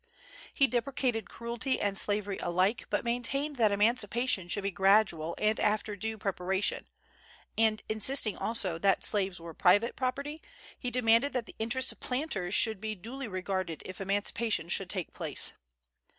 He deprecated cruelty and slavery alike, but maintained that emancipation should be gradual and after due preparation; and, insisting also that slaves were private property, he demanded that the interests of planters should be duly regarded if emancipation should take place.